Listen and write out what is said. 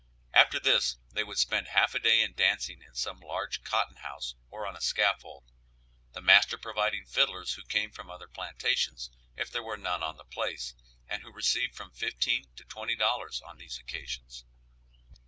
After this they would spend half a day in dancing in some large cotton house or on a scaffold, the master providing fiddlers who came from other plantations if there were none on the place, and who received from fifteen to twenty dollars on these occasions.